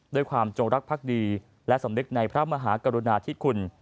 ด้วยความโจรักภักดีและสำนึกในพระมหากรุณาธิคุณ